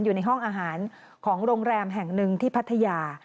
อยู่ในห้องอาหารของโรงแรมแห่งหนึ่งที่พัทยา